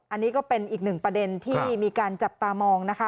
อันนี้ก็เป็นอีกหนึ่งประเด็นที่มีการจับตามองนะคะ